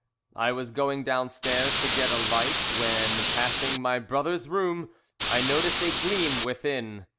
"I was going downstairs to get a light when, passing my brother's room, I noticed a gleam within.